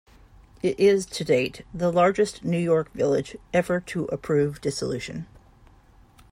It is, to date, the largest New York village ever to approve dissolution.